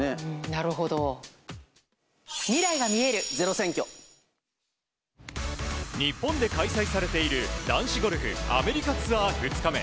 東京海上日動のＤＡＰ日本で開催されている男子ゴルフアメリカツアー２日目。